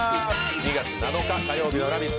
２月７日火曜日の「ラヴィット！」